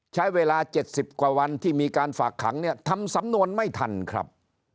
ใช้เวลา๗๐กว่าวันที่มีการฝากขังเนี่ยทำสำนวนไม่ทันครับ